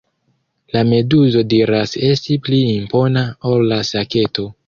La meduzo diras esti pli impona ol la saketo.